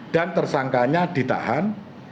dan tersangkanya ditahan